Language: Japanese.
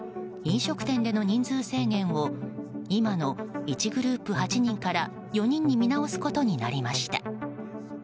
飲食店での人数制限を今の１グループ８人から４人に見直すことになりました。